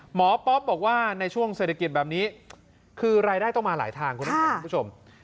หมอป๊อปบอกว่าในช่วงเศรษฐกิจแบบนี้คือรายได้ต้องมาหลายทางคุณผู้ชม